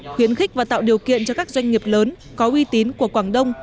khuyến khích và tạo điều kiện cho các doanh nghiệp lớn có uy tín của quảng đông